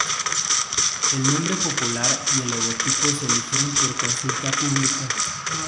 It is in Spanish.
El nombre popular y el logotipo se eligieron por consulta pública.